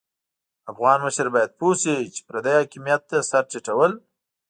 افغان مشر بايد پوه شي چې پردي حاکميت ته سر ټيټول.